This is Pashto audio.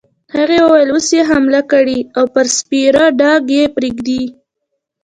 هغې وویل: اوس يې حامله کړې او پر سپېره ډاګ یې پرېږدې.